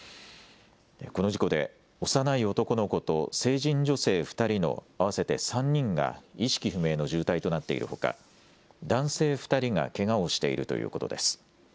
この事故で幼い男の子と成人女性２人の合わせて３人が意識不明の重体となっているほか男性２人がけがをしているということです。